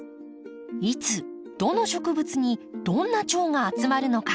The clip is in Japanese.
いつどの植物にどんなチョウが集まるのか。